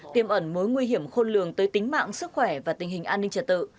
tiêm ẩn mối nguy hiểm khôn lường tới tính mạng sức khỏe và tình hình an ninh trật tự